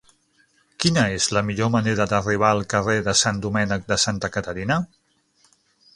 Quina és la millor manera d'arribar al carrer de Sant Domènec de Santa Caterina?